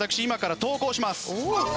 今から投稿します。